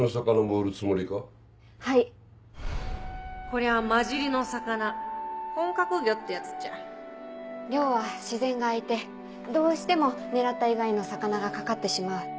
こりゃまじりの魚混獲魚ってやつっちゃ漁は自然が相手どうしても狙った以外の魚が掛かってしまう。